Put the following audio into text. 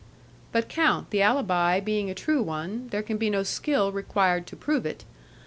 "But, count, the alibi being a true one, there can be no skill required to prove it.